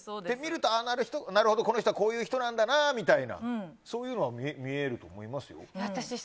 見ると、なるほどこの人はこういう人なんだなみたいなそういうのは見えると思いますよ。